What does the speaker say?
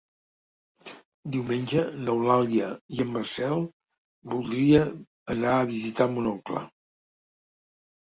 Diumenge n'Eulàlia i en Marcel voldria anar a visitar mon oncle.